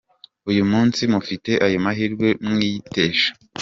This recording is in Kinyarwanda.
Uyu munsi mufite ayo mahirwe, mwiyitesha.